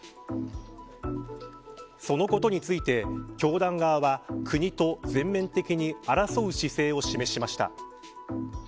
そのことについて教団側は、国と全面的に争う姿勢を示しました。